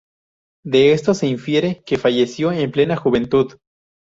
De esto se infiere que falleció en plena juventud.